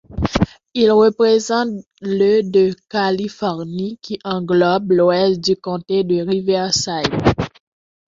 Il représente le de Californie qui englobe l'ouest du comté de Riverside.